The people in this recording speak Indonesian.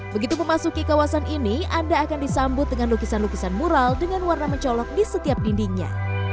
begitu memasuki kawasan ini anda akan disambut dengan lukisan lukisan mural dengan warna mencolok di setiap dindingnya